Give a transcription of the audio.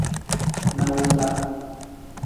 Nawusa.